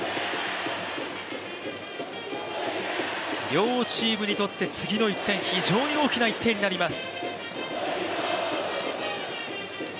両チームにとって次の１点、非常に大きな１点になります。